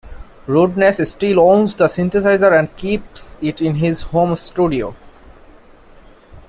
Rudess still owns the synthesizer and keeps it in his home studio.